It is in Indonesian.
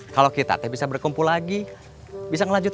kamu mau seperti orang orang itu